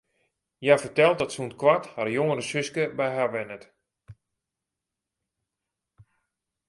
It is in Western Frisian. Hja fertelt dat sûnt koart har jongere suske by har wennet.